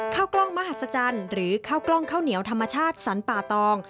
ข้าวกล้องมหัศจรรย์หรือข้าวกล้องข้าวเหนียวธรรมชาติสรรป่าตอง